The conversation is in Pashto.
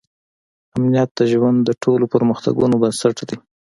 امنیت د ژوند د ټولو پرمختګونو بنسټ دی.